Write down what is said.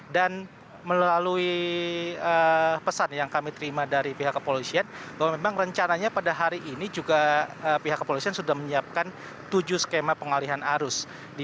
dan melalui pesan yang kami terima dari pihak kepolisian bahwa memang rencananya pada hari ini juga pihak kepolisian sudah menyiapkan tujuh skema pengalihan arus